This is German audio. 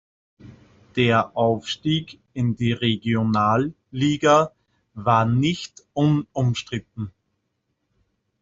Der Aufstieg in die Regionalliga war nicht unumstritten.